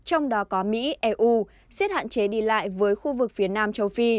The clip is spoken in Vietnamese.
trong đó có mỹ eu xếp hạn chế đi lại với khu vực phía nam châu phi